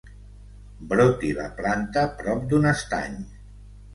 Broti la planta, prop d'un estany.